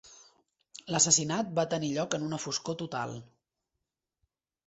L'assassinat va tenir lloc en una foscor total.